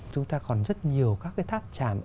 chúng ta còn rất nhiều các tháp chàm